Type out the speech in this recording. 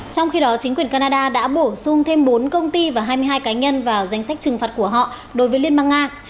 trong khi đó chính quyền canada đã bổ sung thêm bốn công ty và hai mươi hai cá nhân vào danh sách trừng phạt của họ đối với liên bang nga